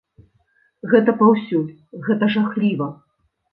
Гэта паўсюль, гэта жахліва!